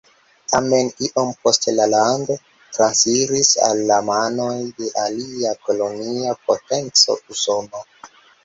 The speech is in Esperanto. Tamen iom poste la lando transiris al la manoj de alia kolonia potenco Usono.